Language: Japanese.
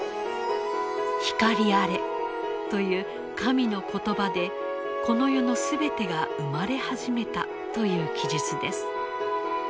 「光あれ」という神の言葉でこの世の全てが生まれ始めたという記述です。